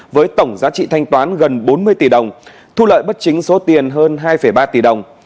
với tổng giá trị thanh toán gần bốn mươi tỷ đồng thu lợi bất chính số tiền hơn hai ba tỷ đồng